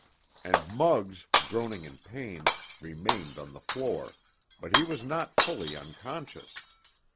And Muggs, groaning in pain, remained on the floor, but he was not fully unconscious.